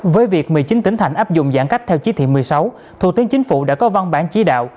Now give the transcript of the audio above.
với việc một mươi chín tỉnh thành áp dụng giãn cách theo chí thị một mươi sáu thủ tướng chính phủ đã có văn bản chỉ đạo